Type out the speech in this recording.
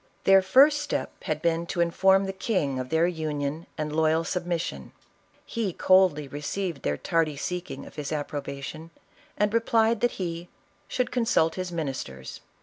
Their first step had been to inform the king of their union and loyal submission. He coldly received their tardy seeking of his approbation, and replied that he "should consult his ministers."